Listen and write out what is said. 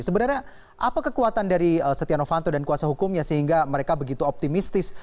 sebenarnya apa kekuatan dari setia novanto dan kuasa hukumnya sehingga mereka begitu optimistis